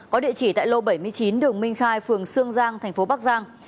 có địa chỉ tại lô bảy mươi chín đường minh khai phường sương giang thành phố bắc giang